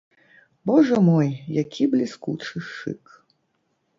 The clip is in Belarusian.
Божа мой, які бліскучы шык!